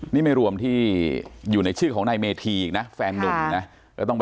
นี่ไม่รวมที่อยู่ในชื่อของนายเมธีอีกนะแฟนนุ่มนะ